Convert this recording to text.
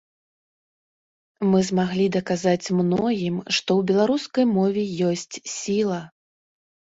Мы змаглі даказаць многім, што ў беларускай мове ёсць сіла.